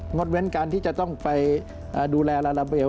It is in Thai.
ดเว้นการที่จะต้องไปดูแลลาลาเบล